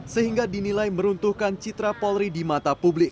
sehingga dinilai meruntuhkan citra polri di mata publik